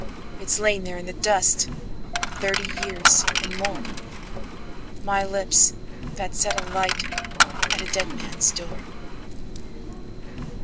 It's lain there in the dust, Thirty years and more;—My lips that set a lightAt a dead man's door.